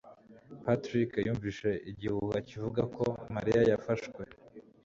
Patrick yumvise igihuha kivuga ko Mariya yafashwe.